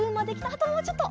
あともうちょっと！